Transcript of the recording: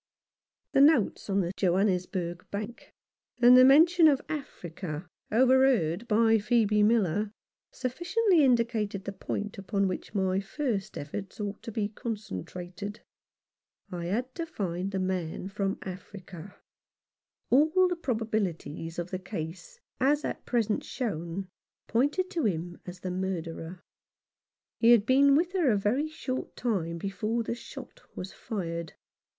The notes on the Johannesburg Bank, and the mention of Africa overheard by Phcebe Miller, sufficiently indicated the point upon which my first efforts ought to be concentrated. I had to find the man from Africa. All the probabilities 112 yohn Pounce's Experiences. No. 29. of the case as at present shown pointed to him as the murderer. He had been with her a very short time before the shot was fired.